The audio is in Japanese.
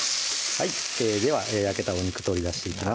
はいでは焼けたお肉取り出していきます